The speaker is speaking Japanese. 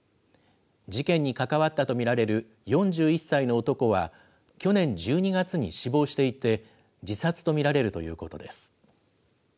事件に関わったと見られる４１歳の男は、去年１２月に死亡していて、自殺と見られるということです。